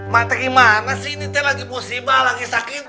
mana sih ini aku lagi morsiba lagi sakit